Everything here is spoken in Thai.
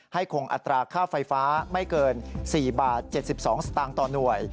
คงอัตราค่าไฟฟ้าไม่เกิน๔บาท๗๒สตางค์ต่อหน่วย